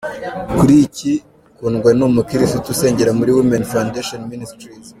Kuri iki, Kundwa ni umukirisito usengera muri Women Foundation Ministries.